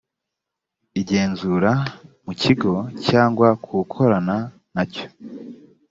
igenzura mu kigo cyangwa ku ukorana na cyo